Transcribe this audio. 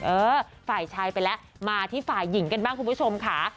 เออฝ่ายชายไปแล้วมาที่ฝ่ายหญิงกันบ้างคุณผู้ชมค่ะ